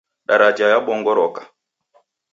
Daraja yabongoroka.